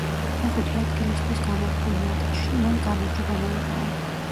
მეხუთე ადგილისთვის გამართულ მატჩში მან გამარჯვება მოიპოვა.